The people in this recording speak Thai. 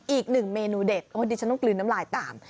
อีกหนึ่งเมนูเด็ดดิฉันต้องกลืนน้ำลายตาม